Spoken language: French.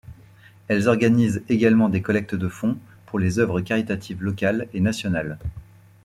Elles organisent également des collectes de fonds pour les œuvres caritatives locales et nationales.